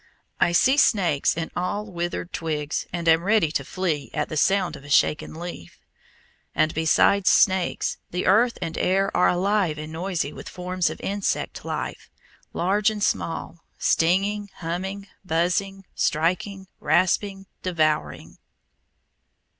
I see snakes in all withered twigs, and am ready to flee at "the sound of a shaken leaf." And besides snakes, the earth and air are alive and noisy with forms of insect life, large and small, stinging, humming, buzzing, striking, rasping, devouring!